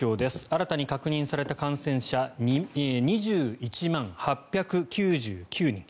新たに確認された感染者２１万８９９人。